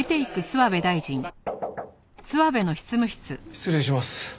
失礼します。